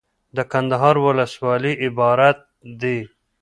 دکندهار ولسوالۍ عبارت دي.